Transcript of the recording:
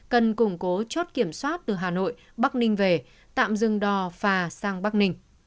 cần củng cố chốt kiểm soát từ hà nội bắc ninh về tạm dừng đò phà sang bắc ninh